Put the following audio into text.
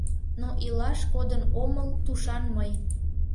...Но илаш кодын омыл тушан мый